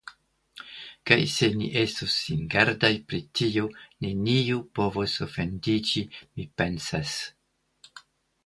Kaj se ni estos singardaj pri tio, neniu povos ofendiĝi, mi pensas?